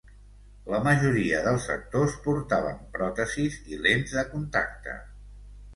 La majoria dels actors portaven pròtesis i lents de contacte.